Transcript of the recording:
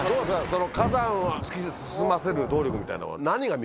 その火山を突き進ませる動力みたいなのは。